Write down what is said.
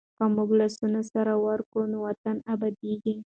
که موږ لاسونه سره ورکړو نو وطن ابادېږي.